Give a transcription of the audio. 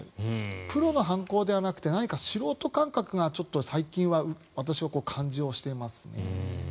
プロの犯行ではなくて何か素人感覚がちょっと最近は私は、感じをしていますね。